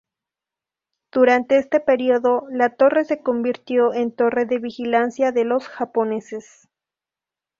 Durante este periodo, la torre se convirtió en torre de vigilancia de los japoneses.